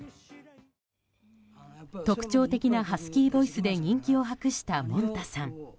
特徴的なハスキーボイスで人気を博した、もんたさん。